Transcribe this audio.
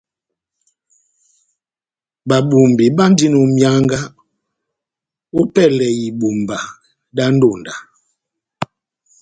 Babumbi bandini ó myánga ópɛlɛ ya ibumba dá ndonda.